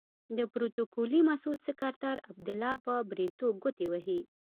د پروتوکولي مسعود سکرتر عبدالله په بریتو ګوتې وهي.